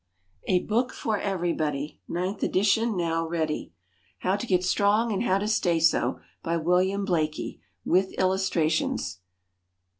_ A BOOK FOR EVERYBODY. Ninth Edition now Ready. =HOW TO GET STRONG, AND HOW TO STAY SO.= By WILLIAM BLAIKIE. With Illustrations.